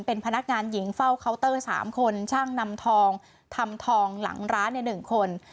เป็นพนักงานหญิงเฝ้าเคาน์เตอร์๓คนช่างนำทองทำทองหลังร้าน๑คน